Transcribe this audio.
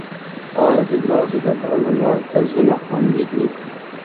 آیا د ګازو ډکولو مرکزونه خوندي دي؟